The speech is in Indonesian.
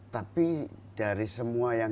tapi dari semua yang